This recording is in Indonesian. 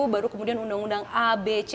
baru kemudian undang undang a b c